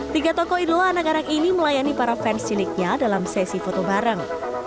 tiga tokoh idola anak anak ini melayani para fans ciliknya dalam sesi foto bareng